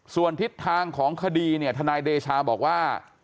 ส่วนทิศทางของคดีเนี่ยทนายเดชาบอกว่า